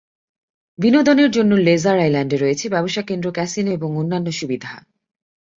বিনোদনের জন্য লেজার আইল্যান্ডে রয়েছে ব্যবসা কেন্দ্র, ক্যাসিনো এবং অন্যান্য সুবিধা।